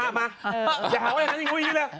อ้าวมาอย่าหาว่าอย่างนั้นอย่างนี้เลย